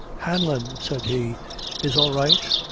"Hanlon," said he, "is all right?